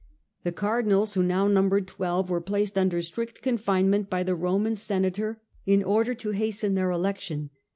The Cardinals, who now numbered twelve, were placed under strict confinement by the Roman Senator in order to hasten their election.